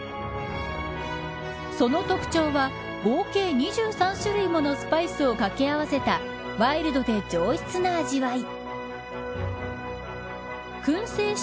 その特徴は、合計２３種類ものスパイスを掛け合わせたワイルドで上質な味わい。